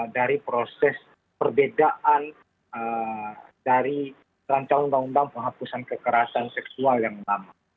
dari proses perbedaan dari rancangan undang undang penghapusan kekerasan seksual yang lama